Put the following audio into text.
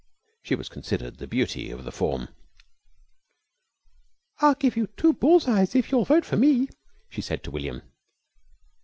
She was considered the beauty of the form. "I'll give you two bull's eyes if you'll vote for me," she said to William.